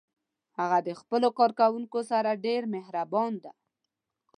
هغه د خپلو کارکوونکو سره ډیر مهربان ده